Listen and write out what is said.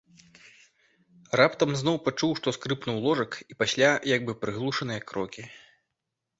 Раптам зноў пачуў, што скрыпнуў ложак і пасля як бы прыглушаныя крокі.